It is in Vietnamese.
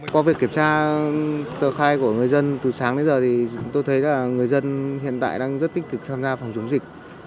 qua việc kiểm tra tờ khai của người dân từ sáng đến giờ thì tôi thấy là người dân hiện tại đang rất tích cực tham gia phòng chống dịch